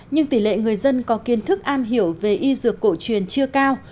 nhưng tỷ lệ người dân có kiến thức am hiểu về y dược cổ truyền chưa cao